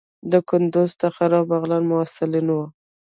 د کندوز، تخار او بغلان محصلین وو.